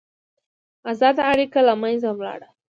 ازاده اړیکه له منځه ولاړه.